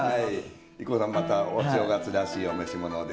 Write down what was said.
ＩＫＫＯさんまたお正月らしいお召し物で。